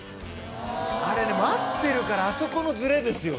あれね待ってるからあそこのズレですよね。